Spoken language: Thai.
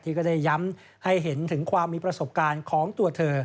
ก็ได้ย้ำให้เห็นถึงความมีประสบการณ์ของตัวเธอ